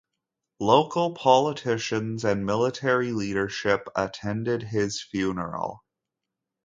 Local politicians and military leadership attended his funeral.